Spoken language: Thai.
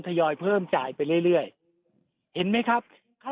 ยอยเพิ่มจ่ายไปเรื่อยเห็นไหมครับ